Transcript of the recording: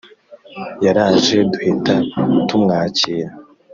Yaraje duhita tumwakira